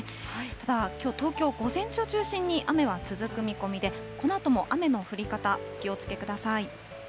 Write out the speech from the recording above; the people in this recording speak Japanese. ただきょう、東京、午前中を中心に雨は続く見込みで、このあとも雨の降り方、お気をつけください。